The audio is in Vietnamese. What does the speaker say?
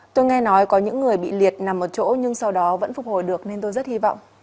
tôi nghe nói có những người bị liệt nằm ở chỗ nhưng sau đó vẫn phục hồi được nên tôi rất hy vọng